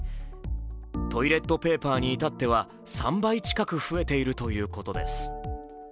トイレットペーパーに至っては３倍近く増えているということです